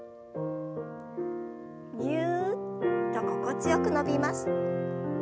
ぎゅっと心地よく伸びます。